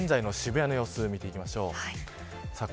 現在の渋谷の様子見ていきましょう。